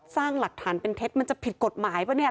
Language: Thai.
สร้างหลักฐานเป็นเท็จมันจะผิดกฎหมายป่ะเนี่ย